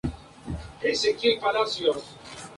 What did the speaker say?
Con la cautela y sobriedad que requieren el momento